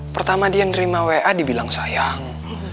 pertama dia nerima wa dibilang sayang